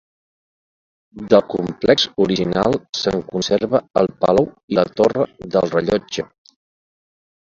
Del complex original se'n conserva el palau i la torre del rellotge.